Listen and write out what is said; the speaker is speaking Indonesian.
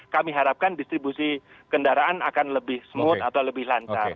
kami harapkan distribusi kendaraan akan lebih smooth atau lebih lancar